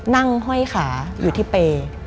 นั่งห้อยขาอยู่ที่เปรย์